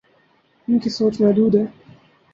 ان کی سوچ محدود ہے۔